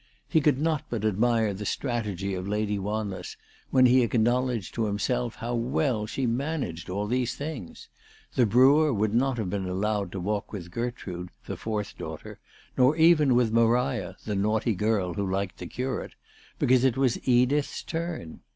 He could not but admire the strategy of Lady Wanless when he acknowledged to himself how well she managed all these things. The brewer would not have been allowed to walk with Gertrude, the fourth daughter, nor even with Maria, the naughty girl who liked the curate, because it was Edith's turn.